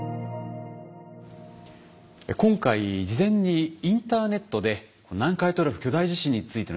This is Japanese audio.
今回事前にインターネットで南海トラフ巨大地震についての質問をですね